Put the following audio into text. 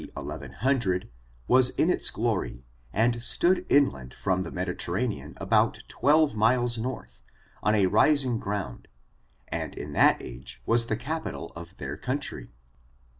1100, was in its glory, and stood inland from the Mediterranean about twelve miles north, on a rising ground, and in that age was the capital of iheir country.